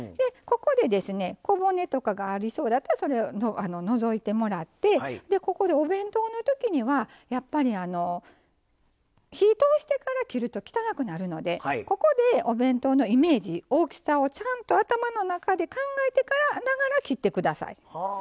ここで小骨とかがありそうだったらそれを除いてもらってここでお弁当の時にはやっぱり火通してから切ると汚くなるのでここでお弁当のイメージ大きさをちゃんと頭の中で考えながら切って下さい。